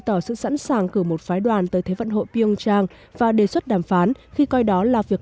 tỏ sự sẵn sàng cử một phái đoàn tới thế vận hội pyung trang và đề xuất đàm phán khi coi đó là việc